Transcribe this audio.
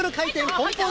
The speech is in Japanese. ポンポン